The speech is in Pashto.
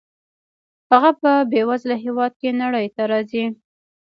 هغه په بې وزله هېواد کې نړۍ ته راځي.